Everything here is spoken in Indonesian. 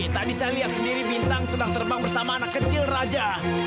tadi saya melihat bintang yang sedang terbang bersama anak kecil raja